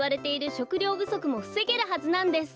しょくりょうぶそくもふせげるはずなんです。